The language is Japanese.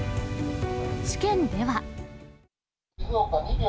試験では。